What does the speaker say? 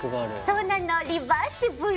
そうなのリバーシブル。